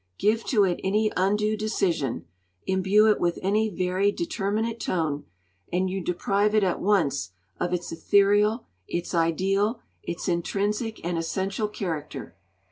Give to it any undue decision imbue it with any very determinate tone and you deprive it at once of its ethereal, its ideal, its intrinsic and essential character.'